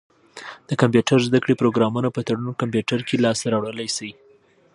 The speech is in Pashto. د کمپيوټر زده کړي پروګرامونه په تړون کمپيوټر کي لاسته را وړلای سی.